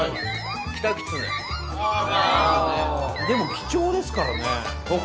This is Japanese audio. でも貴重ですからね。